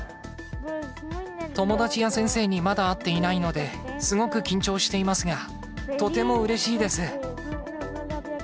友達や先生にまだ会っていないので、すごく緊張していますが、とてもうれしいです。